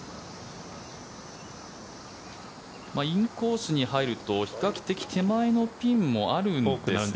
インコースに入ると比較的手前のピンもあるんですね。